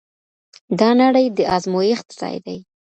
دا نړۍ د ازمويښت ځای دی.